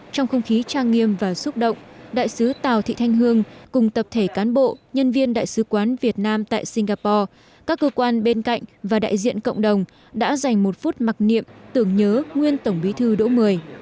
trong không khí trang nghiêm và xúc động đại sứ tào thị thanh hương cùng tập thể cán bộ nhân viên đại sứ quán việt nam tại singapore các cơ quan bên cạnh và đại diện cộng đồng đã dành một phút mặc niệm tưởng nhớ nguyên tổng bí thư đỗ mười